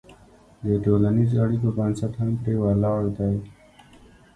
د ټولنیزو اړیکو بنسټ هم پرې ولاړ دی.